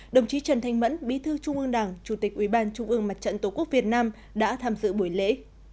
đồng chí trần thanh mẫn bí thư trung ương đảng chủ tịch ubnd tổ quốc việt nam đã tham dự buổi lễ